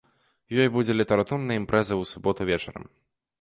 Ёй будзе літаратурная імпрэза ў суботу вечарам.